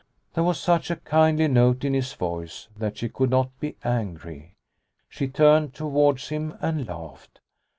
There was such a kindly note in his voice that she could not be angry. She turned towards him and laughed.